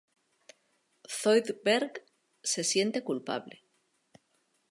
Zoidberg se siente culpable.